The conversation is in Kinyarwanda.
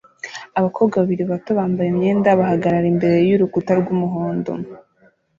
Abakobwa babiri bato bambaye imyenda bahagarara imbere yurukuta rwumuhondo